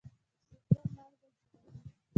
د سوډیم مالګه جوړوي.